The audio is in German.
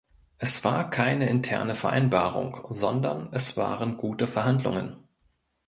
Es war keine interne Vereinbarung, sondern es waren gute Verhandlungen.